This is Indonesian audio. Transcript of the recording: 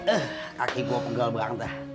eh kaki gue pegal banget dah